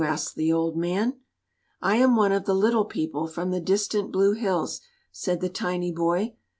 asked the old man. "I am one of the Little People from the distant blue hills," said the tiny boy.